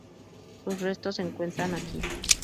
Sus restos se encuentran aquí.